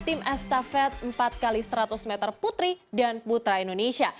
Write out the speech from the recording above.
tim estafet empat x seratus meter putri dan putra indonesia